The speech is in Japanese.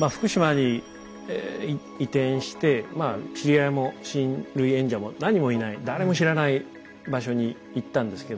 まあ福島に移転してまあ知り合いも親類縁者も何もいない誰も知らない場所に行ったんですけど。